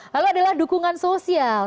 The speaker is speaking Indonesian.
lalu adalah dukungan sosial